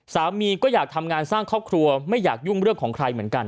สามีก็อยากทำงานสร้างครอบครัวไม่อยากยุ่งเรื่องของใครเหมือนกัน